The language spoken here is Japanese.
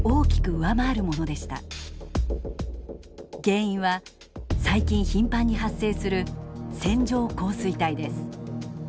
原因は最近頻繁に発生する線状降水帯です。